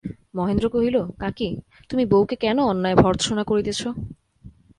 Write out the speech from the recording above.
মহেন্দ্র কহিল, কাকী, তুমি বউকে কেন অন্যায় ভর্ৎসনা করিতেছ।